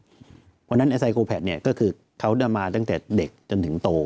เพราะฉะนั้นไอไซโครแพทเนี่ยก็คือเขาจะมาตั้งแต่เด็กจนถึงโต